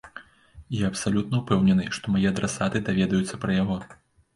Я абсалютна ўпэўнены, што мае адрасаты даведаюцца пра яго.